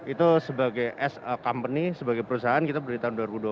itu sebagai as company sebagai perusahaan kita berdiri tahun dua ribu dua puluh